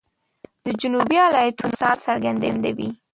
د جنوبي ایالاتونو مثال څرګندوي.